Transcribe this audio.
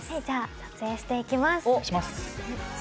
撮影していきます。